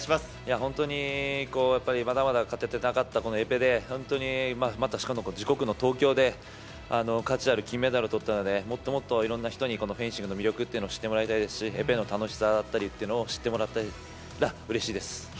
本当に、やっぱり、まだまだ勝ててなかったこのエペで、本当に、またしかも自国の東京で、価値ある金メダルをとったので、もっともっといろんな人にこのフェンシングの魅力っていうのを知ってもらいたいですし、エペの楽しさだったりっていうのを知ってもらえたらうれしいです。